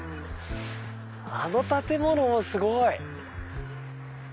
あの建物もすごい。